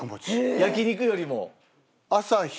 焼き肉よりも？